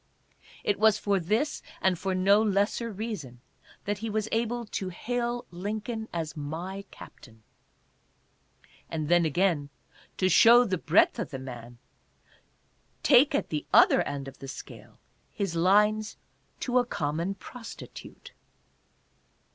It was for this and for no lesser reason that he was able to hail Lincoln as "My Captain." And then again, to show the breadth of the man, take at the other end of the scale his lines "To a Common Prostitute."